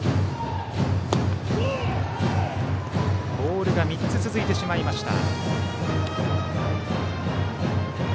ボールが３つ続いてしまいました。